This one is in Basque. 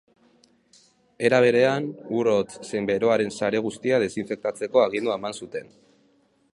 Era berean, ur hotz zein beroaren sare guztia desinfektatzeko agindua eman zuten.